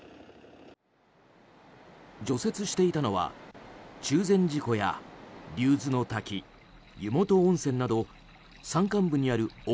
除雪していたのは中禅寺湖や竜頭ノ滝湯元温泉など山間部にある奥